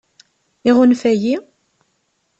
Iɣunfa-yi?